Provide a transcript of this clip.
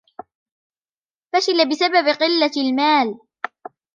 فشِل بسبب قلة المال.